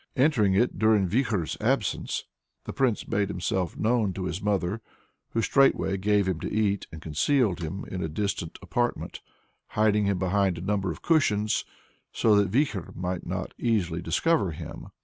Entering it during Vikhor's absence, the Prince made himself known to his mother, "who straightway gave him to eat, and concealed him in a distant apartment, hiding him behind a number of cushions, so that Vikhor might not easily discover him."